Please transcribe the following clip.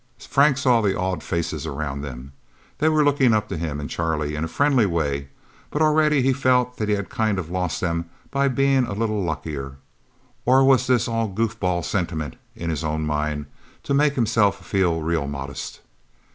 Frank saw the awed faces around them. They were looking up to him and Charlie in a friendly way, but already he felt that he had kind of lost them by being a little luckier. Or was this all goof ball sentiment in his own mind, to make himself feel real modest?